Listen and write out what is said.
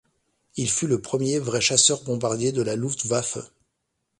Il fut le premier vrai chasseur-bombardier de la Luftwaffe.